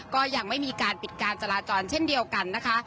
ก็ยังไม่มีการปิดการจราจรเช่นเดียวกันนะคะ